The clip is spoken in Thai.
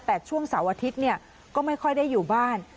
แต่ช่วงเสาร์อาทิตย์ก็ไม่ค่อยได้อยู่บ้าน